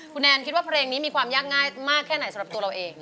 คุณแอนคิดว่าเพลงนี้มีความยากง่ายมากแค่ไหนสำหรับตัวเราเอง